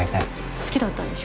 好きだったんでしょ？